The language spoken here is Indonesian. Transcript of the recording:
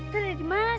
baik baik baik